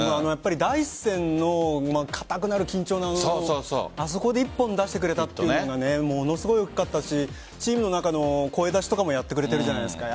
第１戦の固くなる緊張のあそこで一本出してくれたというのがものすごくよかったしチームの中の声だしとかもやってくれてるじゃないですか。